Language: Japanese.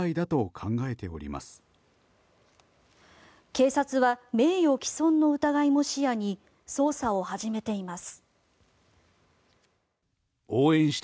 警察は名誉毀損の疑いも視野に捜査を始めています。